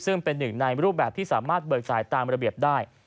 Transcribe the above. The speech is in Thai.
ซึ่งเป็นหนึ่งในรูปแบบที่สามารถเบิกจ่ายตามระเบียบได้